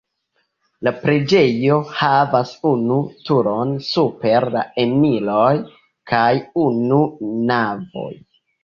La preĝejo havas unu turon super la enirejo kaj unu navon.